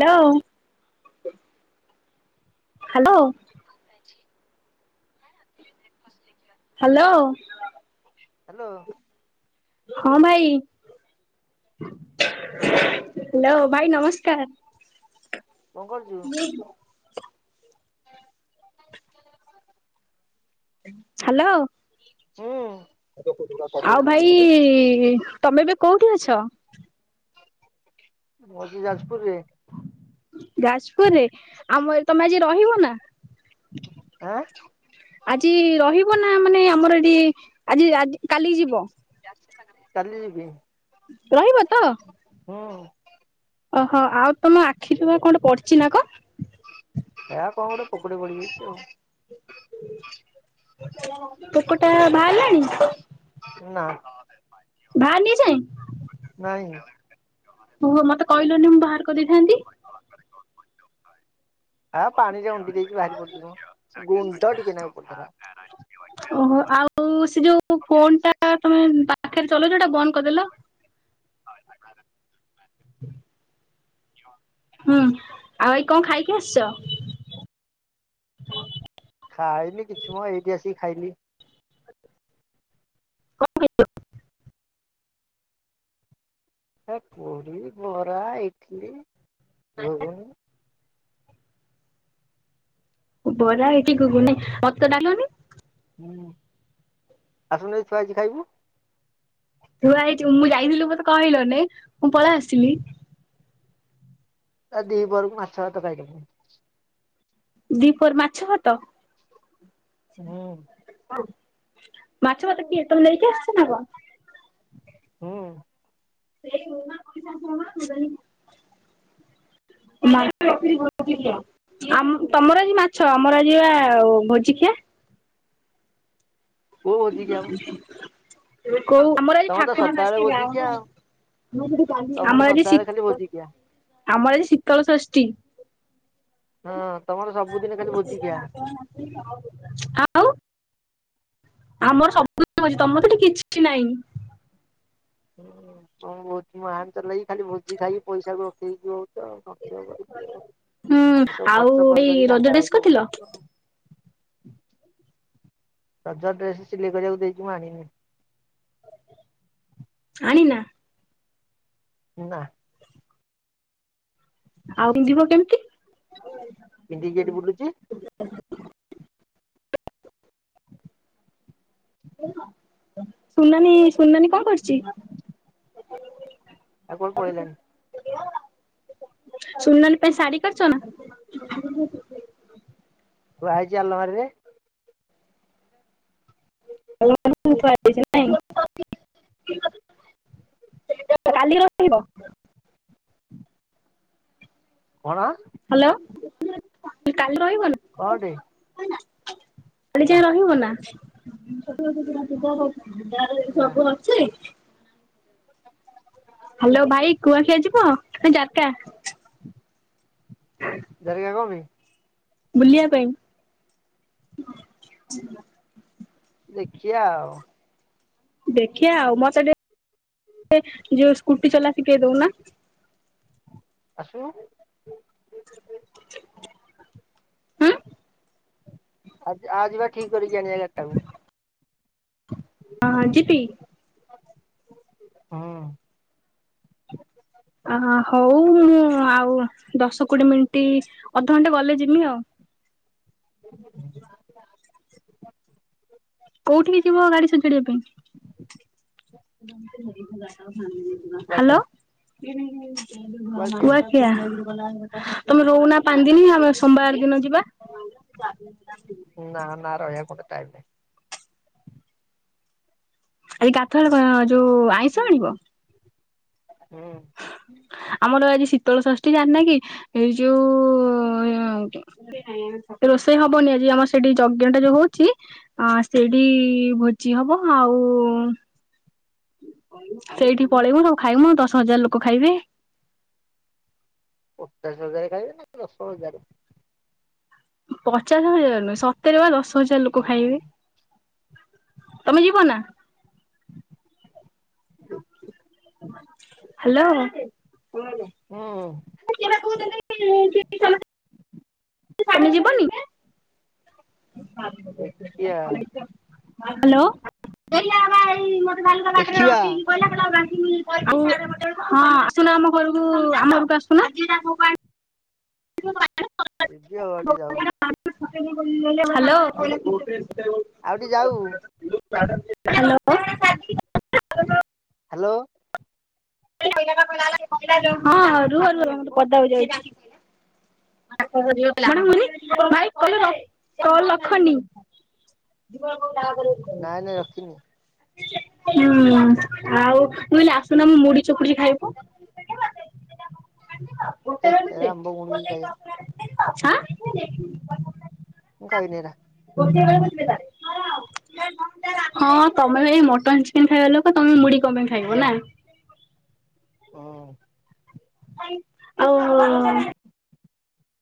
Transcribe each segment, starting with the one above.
Hello, hello ଛି ନାଇ ଆସିଲେ ବ୍ରେକଫାଷ୍ଟ ଲେକି ଆ ହାଲୋ ହାଲୋ [unintelligible] ହଁ, ଭାଇ। ହାଲୋ, ଭାଇ ନମସ୍କାର୍। କଣ କରୁଛୁ? ହ୍ୟାଲୋ? ହୁଁ। ଆଉ ଭାଇ ତମେ ଏବେ କୋଉଠି ଅଛ? ମୁଁ ଅଛି ଯାଜପୁରରେ। ଯାଜପୁରରେ ଆମେ ତମେ ଆଜି ରହିବ ନା? ଆଁ! ଆଜି ରହିବ ନା ମାନେ ଆମର ଏଠି ଆଜି ରା କାଲି ଯିବ? କାଲି ଯିବି। ରହିବ ତ? ହୁଁ। ଓହୋ ଆଉ ତମ ଆଖି ରୁ ପା କଣ ଗୋଟେ ପଡିଛି ନା କଁ ହେ ରା କଣ ଗୋଟେ ପୋକଟେ ପଡି ଯାଇଛି ଆଉ। ପୋକ ଟା ବାହାରିଲାଣି? ନା ବାହାରିନି ଏଯାଏଁ ନାଇଁ। ହୁଅ ମତେ କହିଲନି ମୁଁ ବାହାର କରିଦେଇଥାନ୍ତି। ହଁ ପାଣିରେ ଉଙ୍ଗି ଦେଇଛି ବାହାରି ପଡିଯିବ, ଗୁଣ୍ଡ ଟିକେ ନାଇଁ ପତାରା ଓହୋ ଆଉ ସେଇ ଯୋଉ ଫୋନ ଟା ତମେ ପାଖରେ ଚଲାଉଛ ସେଇଟା ବନ୍ଦ୍ କରିଦେଲ। ହୁଁ, ଆଉ ଭାଇ କଣ ଖାଇକି ଆସିଛ? ଖାଇନି କିଛି ମ ଏଇଠି ଆସିକି ଖାଇଲି। କଣ ଖାଇଛ? ହେ ପୁରୀ, ବରା, ଇଟଲି, ଗୁଗୁନି ବରା ହେଇଠି ଗୁଗୁନି ମତେ ଡାଲନି ହୁଁ ଆସୁନୁ ଏଠି ଥୁଆ ହେଇଛି ଖାଇବୁ। ଥୁଆ ହେଇଛି, ମୁଁ ଯାଇଥିଲି ମତେ କହିଲନି। ମୁଁ ପଳେଇ ଆସିଲି। ଦି ପହରକୁ ମାଛ ଭାତ ଖାଇକିଆସିବି। ଦି ପହରେ ମାଛ ଭାତ? ହୁଁ। ମାଛ ଭାତ କିଏ ତମେ ନେଇକି ଆସିଛ ନା କଣ? ହୁଁ। ମାଛ [unintelligible] ଆମ ତମର ଆଜି ମାଛ, ଆମର ଆଜି ବା ଭୋଜି ଖିଆ। କଉ ଭୋଜି ଖିଆ ମ କୋଉ ଆମର ଆଜି ତମର ତ ଠାକୁର ସଦାବେଳେ ଭୋଜିଖିଆ ଆଉ। [unintelligible] ତମର ଆମର ଆଜି ସି ସଦାବେଳେ ଖାଲି ଭୋଜିଖିଆ ଆମର ଆଜି ଶୀତଳ ଷଷ୍ଠୀ। ହଁ ତମର ସବୁଦିନ ଖାଲି ଭୋଜିିଖିଆ। ଆଉ। ଆମର ସବୁଦିନ ଭୋଜି ତମର ତ ହେଟି କିଛି ନାହିଁ। ହୁଁ ତମର ଭୋଜି ମହାନ୍ତ ଲାଗି ଖାଲି ଭୋଜି ଖାଇକି ପଇସାକୁ ରଖି ଦେଉଛୁ। [unintelligible] ହୁଁ ଆମେ ସବୁ ଆଉ ଖର୍ଚ୍ଚ ଏଇ କରି କରି ରଜ କାଙ୍ଗାଳ ଡ୍ରେସ୍ ହେଇକି କରିଥିଲ ବସିଛୁ ଆଉ। ରଜ ରେ ଡ୍ରେସ୍ ସିଲେଇ କରିବାକୁ ଦେଇଛି ମୁଁ ଆଣିନି। ଛାଣି ନା? ନା। ଆଉ [unintelligible] ଯିବ କେମିତି? ପିନ୍ଧିକି ଏଠି ବୁଲୁଛି [inaudible] ସୁନାନୀ ସୁନାନୀ କଣ କରୁଚି। ଆଉ କଉ ପଳେଲାଣି। ସୁନାନୀ ପାଇଁ ଶାଢ଼ୀ କରିଚ ନା। ଥୁଆହେଇଛି ଆଲମାରିରେ। [unintelligible] ନାଇଁ [unintelligible] କାଲି ରଖିବ। କଣ? ହ୍ୟାଲୋ କାଲି ରହିବନା। କଁଟେ। [inaudible] ସେଟି ଯାଇ ରହିବୁ ନା। [inaudible] ନା ହ୍ୟାଲୋ ଭାଇ କୁଆଖିଆ ଯିବ ନା ଜାର୍‌କା। ଜାର୍‌କା କଁ ପାଇଁ। ବୁଲିବା ପାଇଁ। ଦେଖିଆ ଆଉ। ଦେଖିଆ ଆଉ ମତେ ଟି କେ ଯୋଉ ସ୍କୁଟି ଚଲା ଶିିଖେଇ ଦଉନା। ଆସୁନୁ। ହୁଁ ଆ ଆ ଯିବା ଠିକ୍‌ କରିକି ଆଣିିବା ଏଇ ଗାଡ଼ ଟାକୁ। ହଁ ଯିବି। ହଁ। ଅ ହଉ ମୁଁ ଆଉ ଦଶ କୋଡ଼ିଏ ମିନିଟ୍ ଅଧଘଣ୍ଟା ଗଲେ ଯିମି ଆଉ। [inaudible] କୋଉଠି କି ଯିବ ଗାଡ଼ି ସଜାଡ଼ିବା ପାଇଁ। ହ୍ୟାଲୋ କୁଆଖିଆ। [inaudible] କୁଆଖିଆ ତମେ ରହୁନା ପା ଦିନି ଆମେ ସୋମବାର ଦିନ ଯିବା। [inaudible] ନା ନା ରହିବା କୁ ମତେ ଟାଇମ୍ ନାହିଁ। ଆଜି ଗାଧୁଆଳେ କ ଯୋଉ ଆଇଁଷ ଆଣିବ। ହୁଁ। ଆମର ଆଜି ଶୀତଳ ଷଷ୍ଠୀ ଜାଣିନା କି ଏଇ ଯୋଉ ଉଁ ରୋଷେଇ ହବନି ଆଜି ଆମର ସେଠି ଯଜ୍ଞ ଟା ଯୋଉ ହୋଉଚି ଅଁ ସେଇଠି ଭୋଜି ହବ ଆଉ ସେଇଠି ପଳେଇମୁ ସବୁ ଖାଇମୁ ଦଶ ହଜାର୍‌ ଲୋକ ଖାଇବେ। ପଚାଶ ହଜାର୍ ଖାଇବେ ନା ଦଶ ହଜାରେ। ପଚାଶ ହଜାର୍‌ ନୁହଁ ସତର ବା ଦଶ ହଜାର୍ ଲୋକ ହୁଁ ଖାଇବେ। ତମେ ଯିବ ନା। ହ୍ୟାଲୋ। ହୁଁ। ମୁଁ ଯିବାକୁ ଦେବି ନି ଯେ [inaudible] [inaudible] ତମେ ଯିବନି? [inaudible] ଦେଖିଆ। ହ୍ୟାଲୋ। କିଲ ହବା ଏଇ ମତେ ବାଲ ବାଟରେ ଦେଖିବା ରଖେଇିକି କହିଲବା [inaudible] [inaudible] ହଁ ଆସୁନା ଆମ ଘରକୁ ଆମ ପାକୁ ଆସୁନା ତମ ଯିବି ଆଉ ଟିକେ ଯାଉ [inaudible] [inaudible] ହ୍ୟାଲେ। ଆଉ ଟିକେ ଯାଉ। [inaudible] ହ୍ୟାଲୋ। ହ୍ୟାଲୋ। ହଁ ରୁହ ରହଦାଇ [inaudible] କଣ ହଉନି ଭାଇ କ କ ଲଖଣୀ [inaudible] ଦରେ [inaudible] ନାଇଁ ନାଇଁ ରଖିନି। [inaudible] ହୁଁ ଆଉ ମୁ କହିଲି ଆସୁନା ମୁଁ ମୁଡି ଚୀ ଖାଇବୁ ହେ ଗୋଟେ [inaudible] ସେରା ହଁ ଆମ୍ବ ଗୁଡିକି ଖାଇବା [inaudible] ମୁଁ ଖାଇବିନି ଏରା। [inaudible] ଗୋଟିଏ ବେଳ କଥିଲେେ ତ ହଁ ତମେ ଏଇ ମଟନ୍ ଚିକେନ୍ ଖାଇବା ଲୋକ ତମେ ମୁଡ଼ି କଣ ପାଇଁ ଖାଇବ ନା ହଁ। [inaudible] ଆଉ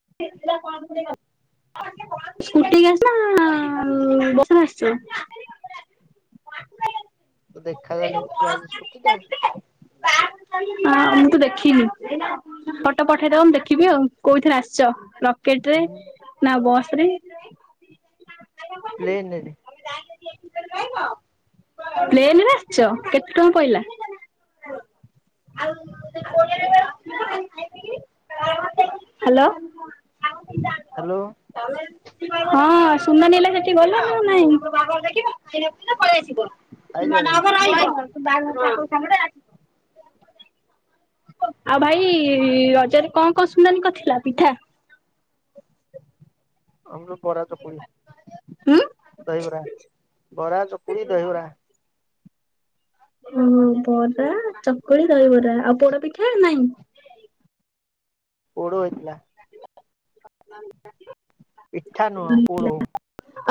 ସ୍କୁଟିସ ନା [inaudible] କେ ଆସଛ [inaudible] ଏ ଦେଖା ଯାଉନି ଏଠି ଥୁଆ ହେଇଛି ସ୍କୁଟି ଟା [unintelligible] ହଁ ମୁଁ ତ ଦେଖିନି ଫଟୋ ପଠେଇଦବ ମୁଁ ଦେଖିବି ଆଉ କୋଉଥିରେ ଆ ଛ ରକେଟ୍ ରେ ନା ବସ୍ ରେ? ପ୍ଲେନରେ [inaudible] ପ୍ଲେନ୍ ରେ ଆସିଛ କେ [inaudible] କଣ ପଇଲା? ଲୋ [inaudible] ଆ ତମ ହ୍ୟାଲୋ [inaudible] ହଁ ସୁନାନୀ ହେଲା ସେଠି ଗଲ ଆ ନାଇଁ ପଳେଇ ଆସିବ ଆଇଲାଣି [inaudible] ବ ସାଙ୍ଗ [inaudible] ଆଉ ଭାଇ ରଜରେ କଣ କଣ ସୁନାଲୀ କଥିଲା ପିଠା? [unintelligible] ଆମର ବରା ଚକୁଳି ଉଁ? ଦହିବରା ବରା ଚକୁଳି ଦହିବରା। ଓହୋ ବରା ଚକୁଳି ଦହିବରା ଆଉ ପୋଡ ପିଠା ନାଇଁ? ପୋଡ ହେଥିଲା। ପିଠା ନୁହଁ ପୋଡ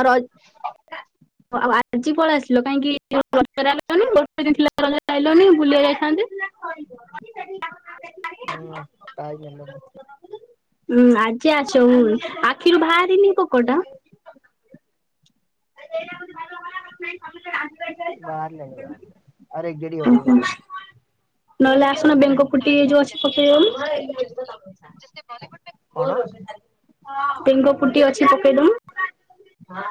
ଆ [inaudible] ଆଉ ଆଜି ପଳେଇ ଆସିଲ କାହିଁକି? ଗୋଟ ବୁଲି ଯାଇଥା [inaudible] ହୁଁ କାଇ [inaudible] ଉଁ ଆଜି ଆଛ ହୁଁ ଆଖିରୁ ବାହାରନି ପୋକଟା? ଇଟଁ ସମ [inaudible] ବାହାରିନି ବାହାରିନି ରିଜଡି ହଉ [inaudible] ଓହୋ। ନହେଲେ ଆସୁନ ବେଙ୍କ ଫୁଟି ଏ ଯୋଉ ଅଛି ପକେଇବ ବଲିିବୁଡ୍ [inaudible] ବେଙ୍ଗ ପୁଟି ଅଛି ପକେଇଦଉନୁ।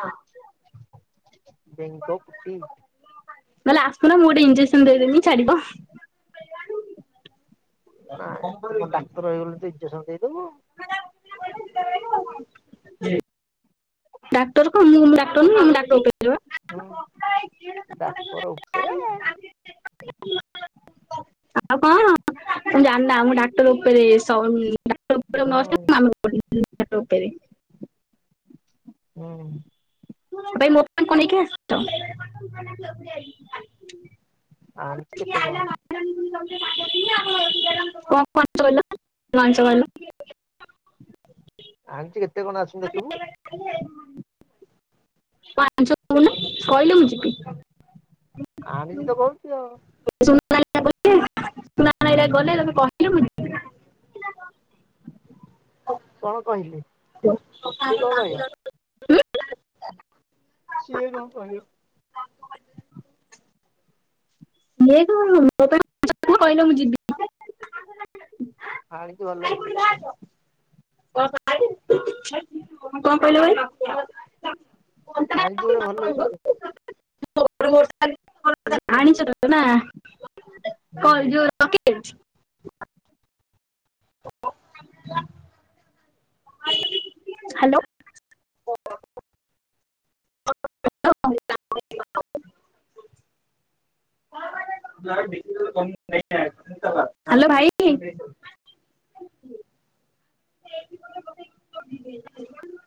ବେଙ୍ଗ ପୁଟି ନ ହେଲେ ଆସୁ ନ ମୁଁ ଗୋଟେ ଇଞ୍ଜେକସନ୍ ଦେଇଦେବି ଛାଡିବ। ନା ଏ ତୁ କଣ ଡାକ୍ତର ହେଇଗଲୁ ଯେ ଇଞ୍ଜେକସନ୍ ଦେଇଦବୁ। [unintelligible] ଡାକ୍ଟର କଣ ମୁଁ କ ଡାକ୍ଟର ନୁହଁ ମୁଁ ହୁଁ [inaudible] ଡାକ୍ତର ଉପରେ ଆଉ କଣ? ତମେ ଜାନା ମୁଁ ଡାକ୍ଟର ଉପରେ [inaudible] କ୍ର ହୁଁ ଅ ହଟ ପରି [inaudible] ହୁଁ। ଭାଇ ମୋ ପାଇଁ କଁ ନେଇକି ଆସିଚ? ଆଣିଛି କେତେ ଆ। କଣ [inaudible] ମସ କଲ। [inaudible] ଆଣିଚି କେତେ କଣ ଆସୁନୁ ଦେଖିବୁ। [unintelligible] କଞ୍ଚ କ ନା [inaudible] କହିଲେ ମୁଁ ଯିବି। ଆଣିଚି ତ କହୁଛି ଆଉ। ସୁ ଗଲେ ତମେ କହ। [inaudible] ହ। [inaudible] କଣ କହିଲେ? କଥାମ। [inaudible] ସିଏ କଁ କହିବ। ମ କହ ମୁଁ ଜ। [inaudible] ଆାଣିଚୁ ଭଲ ହେଇନି [inaudible] ସେଠ। କଁ କହିଲ ଭାଇ? ଆଣିଚୁ ଗୋଟେ ଭଲ ହେଇନି ସେତେ। ଷ ଆଣିଛ କ। ହୁଁ। [inaudible] ଓକେ। [inaudible] ଓ। [inaudible] ହ୍ୟାଲୋ। [unintelligible] ହ୍ୟାଲୋ ଭାଇ। [unintelligible]